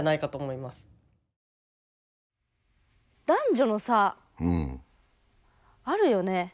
男女の差あるよね。